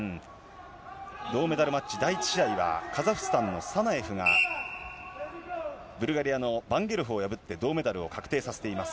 銅メダルマッチ第１試合はカザフスタンのサナエフが、ブルガリアのバンゲロフを破って確定されています。